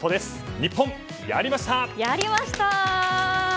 日本、やりました！